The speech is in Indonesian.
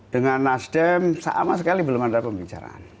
dengan nasdem sama sekali belum ada pembicaraan